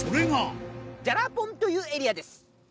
ジャラポンというエリアです。